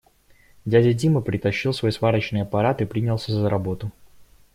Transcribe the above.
Дядя Дима притащил свой сварочный аппарат и принялся за работу.